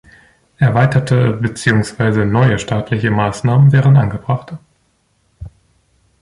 Erweiterte beziehungsweise neue staatliche Maßnahmen wären angebrachter.